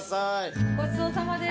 ごちそうさまです。